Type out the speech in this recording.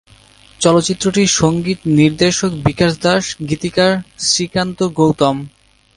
চলচ্চিত্রটির সংগীত নির্দেশক বিকাশ দাশ, গীতিকার শ্রীকান্ত গৌতম।